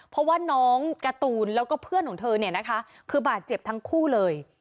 เพราะว่าน้องการ์ตูนแล้วก็เพื่อนของเธอเนี่ยนะคะคือบาดเจ็บทั้งคู่เลย